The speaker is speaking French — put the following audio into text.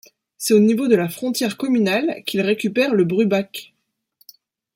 C'est au niveau de la frontière communale qu'il récupère le Brubach.